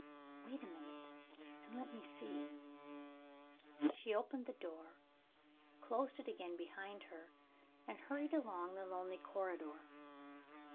"Wait a minute, and let me see." She opened the door: closed it again behind her; and hurried along the lonely corridor.